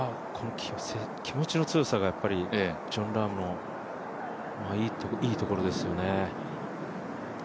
気持ちの強さがジョン・ラームのいいところですよね。